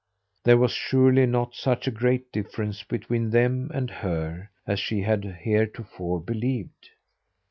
There was surely not such a great difference between them and her as she had heretofore believed.